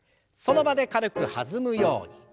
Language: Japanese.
その場で軽く弾むように。